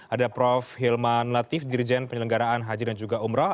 ada prof hilman latif dirjen penyelenggaraan haji dan juga umroh